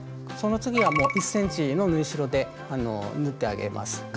その次は１ｃｍの縫い代で縫ってあげます。